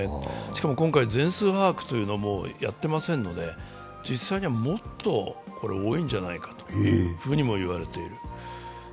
しかも今回、全数把握をやっていませんので実際にはもっと多いんじゃないかとも言われている。